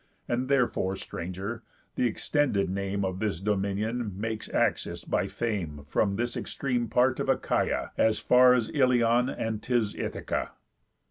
And therefore, Stranger, the extended name Of this dominion makes access by fame From this extreme part of Achaia As far as Ilion, and 'tis Ithaca."